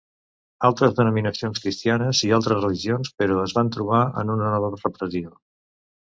Altres denominacions cristianes i altres religions, però, es van trobar amb una nova repressió.